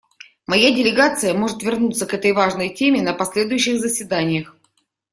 Моя делегация может вернуться к этой важной теме на последующих заседаниях.